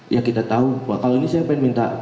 ya kita tahu kalau ini saya ingin minta